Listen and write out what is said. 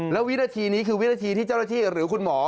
แล้ววินาทีนี้คือวินาทีที่เจ้าหน้าที่หรือคุณหมอ